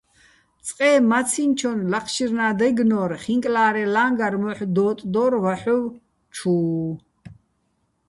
წყე მაცინჩონ ლაჴშირნა́ დაჲგნო́რ, ხინკლა́რეჼ ლა́ჼგარ მო́ჰ̦ დო́ტდო́რ ვაჰ̦ოვ ჩუ.